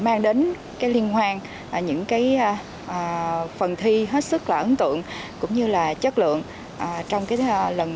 mang đến cái liên hoan những cái phần thi hết sức là ấn tượng cũng như là chất lượng trong cái lần